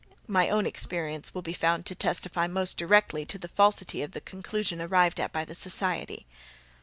My own experience will be found to testify most directly to the falsity of the conclusion arrived at by the society.